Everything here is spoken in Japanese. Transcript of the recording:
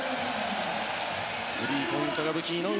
スリーポイントが武器井上